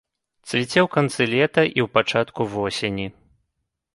Цвіце ў канцы лета і ў пачатку восені.